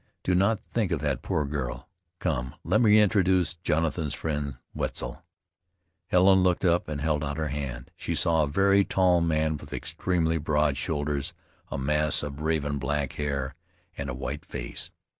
Do not think of that poor girl. Come, let me introduce Jonathan's friend, Wetzel!" Helen looked up and held out her hand. She saw a very tall man with extremely broad shoulders, a mass of raven black hair, and a white face.